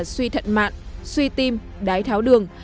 suy thận mạn suy tim đái tháo đường